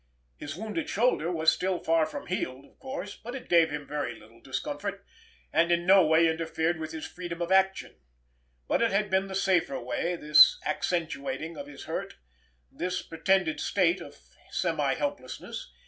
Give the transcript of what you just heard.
His wounded shoulder was still far from healed of course, but it gave him very little discomfort, and in no way interfered with his freedom of action—but it had been the safer way, this accentuating of his hurt, this pretended state of semi helplessness.